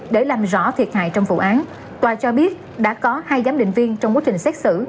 để làm rõ thiệt hại trong vụ án tòa cho biết đã có hai giám định viên trong quá trình xét xử